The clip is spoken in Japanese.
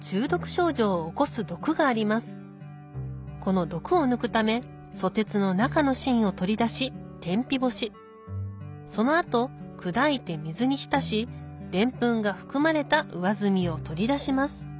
この毒を抜くためソテツの中の芯を取り出し天日干しその後砕いて水に浸しデンプンが含まれた上澄みを取り出します